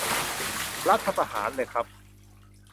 รัฐประหารเลยครับ